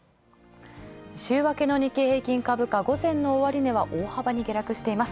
週明けの日経平均株価午前の終値は大幅に下落しています。